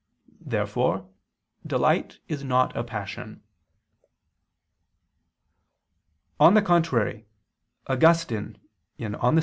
Therefore delight is not a passion. On the contrary, Augustine (De Civ.